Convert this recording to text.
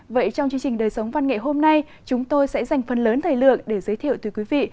vậy trong chương trình đời sống văn nghệ hôm nay chúng tôi sẽ dành phần lớn thời lượng để giới thiệu tới quý vị